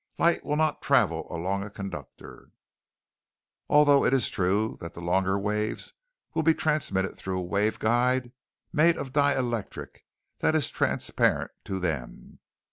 Light will not travel along a conductor, although it is true that the longer waves will be transmitted through a waveguide made of dielectric that is transparent to them.